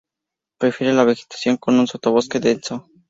Prefiere la vegetación con un sotobosque denso.